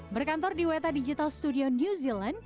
berkantor di weta digital studio new zealand